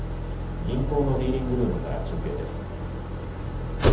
銀行のディーリングルームから中継です。